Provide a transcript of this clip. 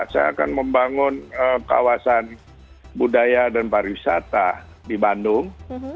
saya akan membangun kawasan budaya dan pariwisata di bandung